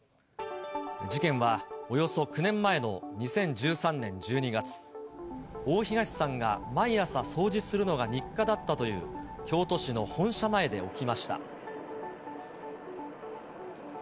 事件はおよそ９年前の２０１３年１２月、大東さんが毎朝掃除するのが日課だったという京都市の本社前で起きました。